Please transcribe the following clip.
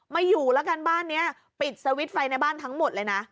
ไม่อยู่แล้วกันบ้านนี้ปิดสวิตช์ไฟในบ้านทั้งหมดเลยนะ